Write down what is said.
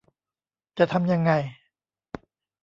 จะทำยังไง